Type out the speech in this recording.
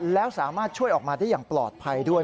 แล้วสามารถช่วยออกมาได้อย่างปลอดภัยด้วย